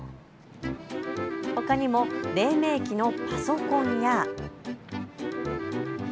ほかにも、れい明期のパソコンや。